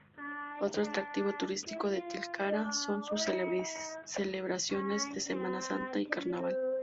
Otro atractivo turístico de Tilcara son sus celebraciones de Semana Santa y carnaval.